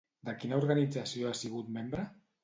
De quina organització ha sigut membre?